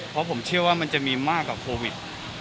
เพราะผมเชื่อว่ามันจะมีมากกว่าโควิด